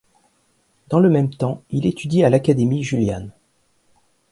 Dans le même temps, il étudie à l'Académie Julian.